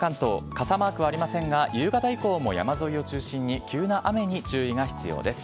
傘マークはありませんが、夕方以降も山沿いを中心に急な雨に注意が必要です。